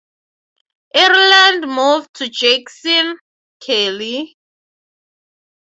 Ireland moved to Jackson Kelly.